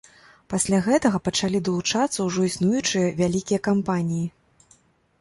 Пасля гэтага пачалі далучацца ўжо існуючыя вялікія кампаніі.